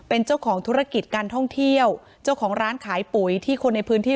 เป็นเจ้าของธุรกิจการท่องเที่ยวเจ้าของร้านขายปุ๋ยที่คนในพื้นที่